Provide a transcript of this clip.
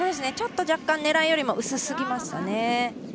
ちょっと若干狙いより薄すぎましたね。